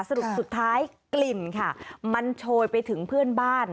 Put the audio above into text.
สรุปสุดท้ายกลิ่นค่ะมันโชยไปถึงเพื่อนบ้าน